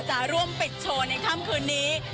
จะร่วมปิดโชว์ในค่ำคืนนี้